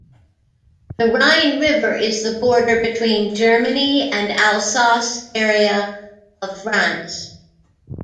The Rhine River is the border between Germany and Alsace area of France.